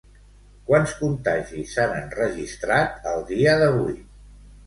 Quants contagis s'han enregistrat el dia d'avui?